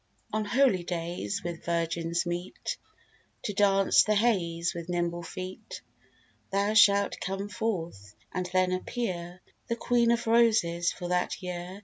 On holydays, when virgins meet To dance the heys with nimble feet, Thou shalt come forth, and then appear The Queen of Roses for that year.